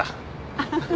アハハハ。